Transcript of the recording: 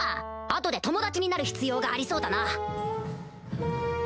後で友達になる必要がありそうだな。